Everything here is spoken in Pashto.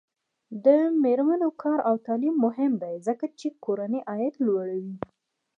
د میرمنو کار او تعلیم مهم دی ځکه چې کورنۍ عاید لوړوي.